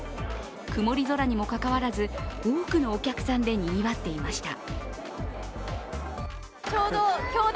曇り空にもかかわらず、多くのお客さんでにぎわっていました。